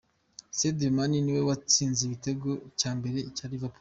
Sadio Mane niwe watsinze igitego cya mbere cya Liverpool.